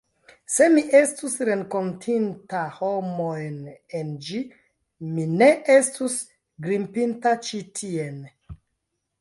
Se mi estus renkontinta homojn en ĝi, mi ne estus grimpinta ĉi tien.